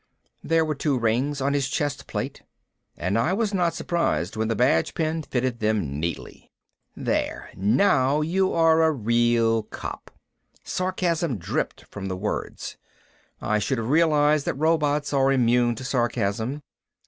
There were two rings on his chest plate, and I was not surprised when the badge pin fitted them neatly. "There, now you are a real cop." Sarcasm dripped from the words. I should have realized that robots are immune to sarcasm.